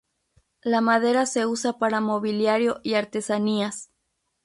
La madera se usa para mobiliario y artesanías.